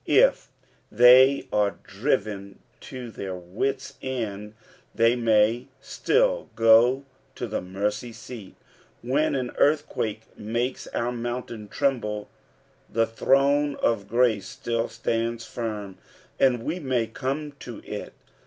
If they are driven to their wits' end, they may still go to tho mercy seat. When an eurthquake makes our mountain tremble, the throne of grace still stands fimit and we may come to it.